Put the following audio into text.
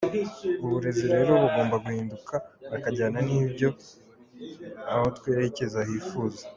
Uburezi rero bugomba guhinduka bukajyana n’ibyo aho twerekeza hifuza.